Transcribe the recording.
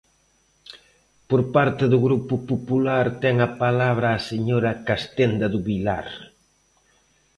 Por parte do Grupo Popular, ten a palabra a señora Castenda do Vilar.